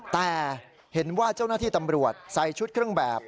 แต่เห็นว่าเจ้าหน้าที่ตำรวจใส่ชุดเครื่องแบบ